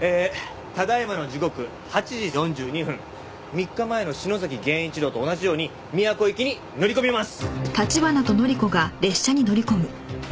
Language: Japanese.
３日前の篠崎源一郎と同じように宮古行きに乗り込みます。